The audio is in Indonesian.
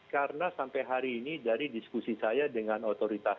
karena sampai hari ini dari diskusi saya dengan otoritas